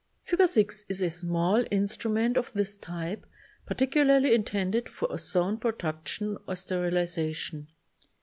Fig. 6 is a small instrument of this type, particularly intended for ozone production or sterilization.